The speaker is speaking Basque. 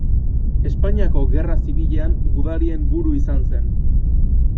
Espainiako gerra zibilean gudarien buru izan zen.